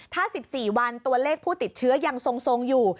ถ้า๑๔วันตัวเลขผู้ติดเชื้อยังทรงอยู่